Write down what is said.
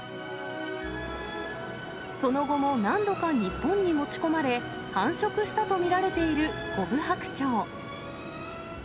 その後も何度か日本に持ち込まれ、繁殖したと見られているコブハクチョウ。